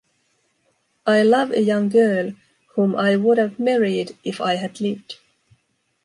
I love a young girl whom I would have married if I had lived.